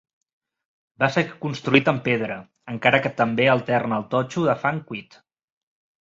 Va ser construït en pedra, encara que també alterna el totxo de fang cuit.